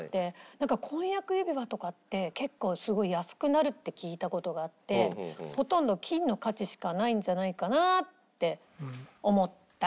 なんか婚約指輪とかって結構すごい安くなるって聞いた事があってほとんど金の価値しかないんじゃないかなって思った。